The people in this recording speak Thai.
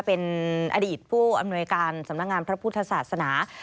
เป็นอดีตผู้อำนวยการสำนักงานพระพุทธศาสนา